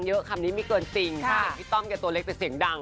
เพราะคำนี้มีเกินจริงพี่ต้อมแก่ตัวเล็กแต่เสียงดัง